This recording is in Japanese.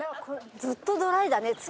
ずっとドライだね